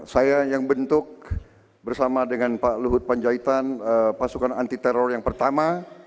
saya yang bentuk bersama dengan pak luhut panjaitan pasukan anti teror yang pertama